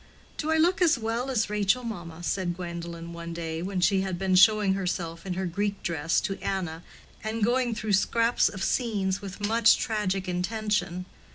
"Do I look as well as Rachel, mamma?" said Gwendolen, one day when she had been showing herself in her Greek dress to Anna, and going through scraps of scenes with much tragic intention.